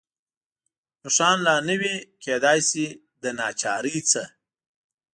نښان لا نه وي، کېدای شي له ناچارۍ نه.